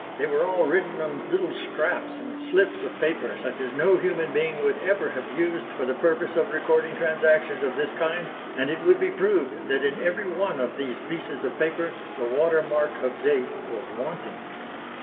they were all written on little scraps and slips of paper, such as no human being would ever have used for the purpose of recording transactions of this kind, and it would be proved that in every one of these pieces of paper the watermark of date was wanting."